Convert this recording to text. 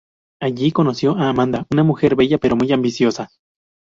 Allí conoció a Amanda, una mujer bella pero muy ambiciosa.